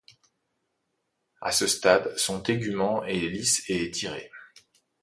À ce stade, son tégument est lisse et étiré.